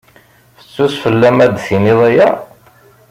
Fessus fell-am ad d-tiniḍ aya.